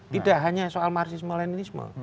tidak hanya soal marxisme leninisme